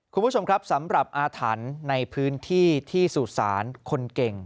คุณผู้ชมครับสำหรับอาถรรพ์ในพื้นที่ที่สุสานคนเก่ง